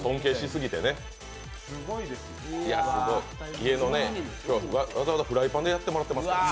家のね、わざわざ今日はフライパンでやってもらっていますから。